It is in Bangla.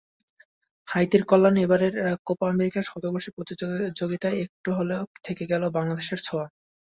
হাইতির কল্যাণে এবারের কোপা আমেরিকা শতবর্ষী প্রতিযোগিতায় একটু হলেও থেকে গেল বাংলাদেশের ছোঁয়া।